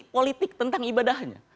politik tentang ibadahnya